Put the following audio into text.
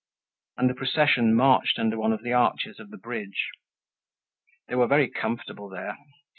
And the procession marched under one of the arches of the bridge. They were very comfortable there.